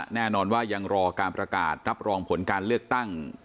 แน่นอนว่ายังรอการประกาศรับรองผลการเลือกตั้ง